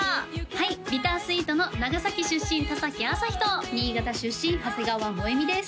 はいＢｉｔｔｅｒ＆Ｓｗｅｅｔの長崎出身田あさひと新潟出身長谷川萌美です